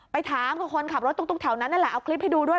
ไปถามกับคนขับรถตุ๊กแถวนั้นนั่นแหละเอาคลิปให้ดูด้วย